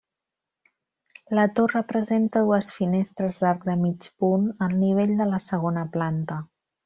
La torre presenta dues finestres d'arc de mig punt, al nivell de la segona planta.